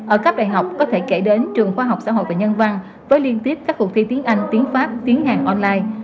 ở các đại học có thể kể đến trường khoa học xã hội và nhân văn với liên tiếp các cuộc thi tiếng anh tiếng pháp tiếng hàn online